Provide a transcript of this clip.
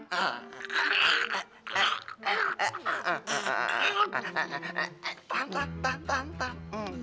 tahan tahan tahan